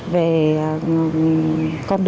về con đường đi